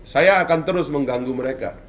saya akan terus mengganggu mereka